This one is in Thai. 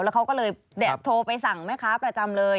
แล้วเขาก็เลยโทรไปสั่งแม่ค้าประจำเลย